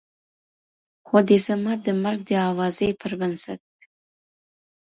خو دې زما د مرګ د اوازې پر بنسټ